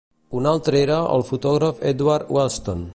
Un altre era el fotògraf Edward Weston.